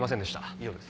以上です。